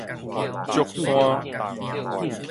祝山